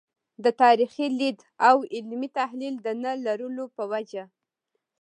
د تاریخي لید او علمي تحلیل د نه لرلو په وجه.